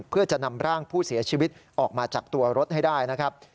เพื่อจะนำร่างผู้เสียชีวิตออกมาจากตัวรถให้ได้นะครับ